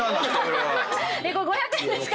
これ５００円ですからね。